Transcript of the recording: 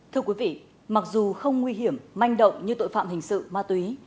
thưa quý vị mặc dù không nguy hiểm manh động như tội phạm hình sự ma túy